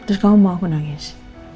terus kamu mau aku nangis